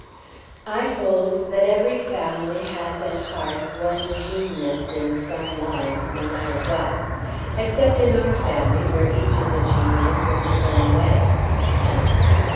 I hold that every family has at heart one genius, in some line, no matter what except in our family, where each is a genius, in his own way. Hem!